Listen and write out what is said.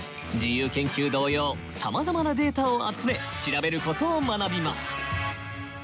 自由研究同様さまざまなデータを集め調べることを学びます。